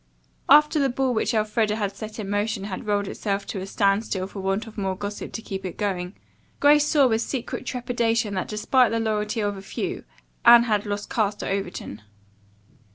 After the ball which Elfreda had set in motion had rolled itself to a standstill for want of more gossip to keep it going, Grace saw with secret trepidation that despite the loyalty of a few, Anne had lost caste at Overton.